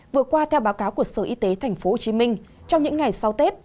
vừa qua theo báo cáo của sở y tế tp hcm trong những ngày sau tết